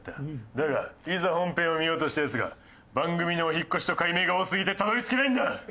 だがいざ本編を見ようとしたヤツが番組のお引っ越しと改名が多すぎてたどり着けないんだ！